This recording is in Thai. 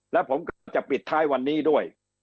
แล้วผมก็จะปิดท้ายวันนี้ด้วย